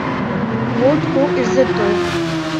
Vote کو عزت دو۔